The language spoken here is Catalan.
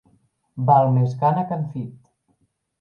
Val més gana que enfit.